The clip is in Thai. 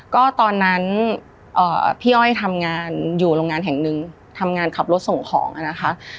ก็ตอนนั้นพี่อ้อยทำงานอยู่โรงงานแห่งหนึ่งทำงานขับรถส่งของนะคะ